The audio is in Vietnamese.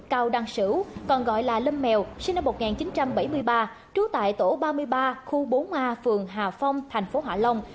cao đăng sử còn gọi là lâm mèo sinh năm một nghìn chín trăm bảy mươi ba trú tại tổ ba mươi ba khu bốn a phường hà phong thành phố hạ long